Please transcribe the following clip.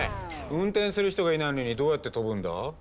運転する人がいないのにどうやって飛ぶんだ？